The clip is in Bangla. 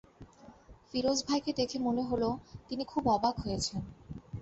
ফিরোজ ভাইকে দেখে মনে হলো, তিনি খুব অবাক হয়েছেন।